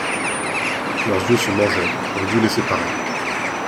Leurs yeux se mangeaient, on dut les séparer.